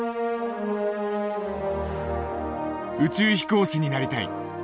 宇宙飛行士になりたい。